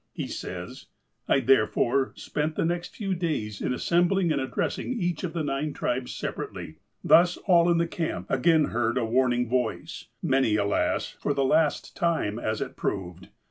He says : "I, therefore, spent the next few days in assembling and addressing each of the nine tribes separately. Thus, all in the camp again heard a warning voice, many, alas, for the last time, as it proved.